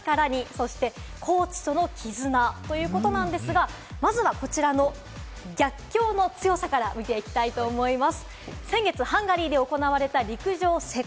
そしてコーチとの絆ということなんですが、まずはこちらの逆境の強さから見ていきたいと思います。